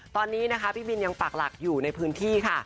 ตอนนี้นะคะพี่บินยังปากหลักอยู่ในพื้นที่ค่ะ